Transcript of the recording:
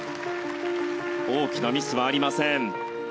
大きなミスはありません。